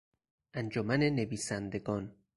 انجمن نویسندگان